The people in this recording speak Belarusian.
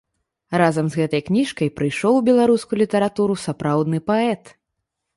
Разам з гэтай кніжкай прыйшоў у беларускую літаратуру сапраўдны паэт.